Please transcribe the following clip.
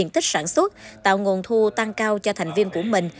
tích sản xuất tạo nguồn thu tăng cao cho thành viên của mình